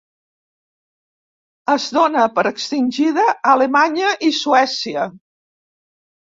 Es dóna per extingida a Alemanya i Suècia.